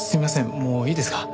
もういいですか？